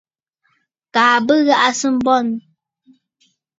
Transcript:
Kaa bì ghàʼà sɨ̀ bɔŋə̀.